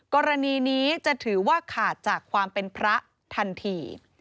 กรณีนี้จะถือว่าขาดจากความเป็นพระทันที